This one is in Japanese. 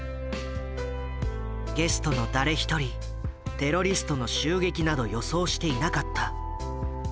ゲストの誰一人テロリストの襲撃など予想していなかった。